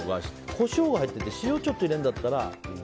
コショウが入っていて塩をちょっと入れるんだったら。